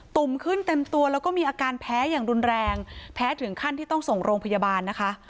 ุ่มขึ้นเต็มตัวแล้วก็มีอาการแพ้อย่างรุนแรงแพ้ถึงขั้นที่ต้องส่งโรงพยาบาลนะคะ